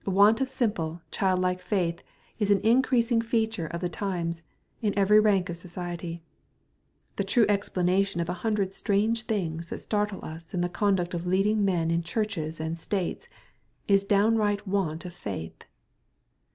Want of simple, childlike faith is an increasing feature of the times, in every rank of society. The true explanation of a hundred strange things that startle us in the conduct of leading men in churches and states, is downright want of faith.